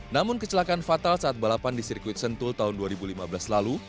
namun kecelakaan fatal saat balapan di sirkuit sentul tahun dua ribu lima belas lalu